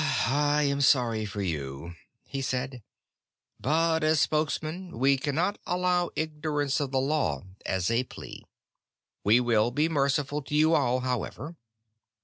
"I am sorry for you," he said, "but as Spokesman we cannot allow ignorance of the law as a plea. We will be merciful to you all, however.